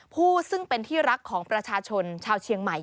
ผู้ซึ่งเป็นที่รักของประชาชนชาวเชียงใหม่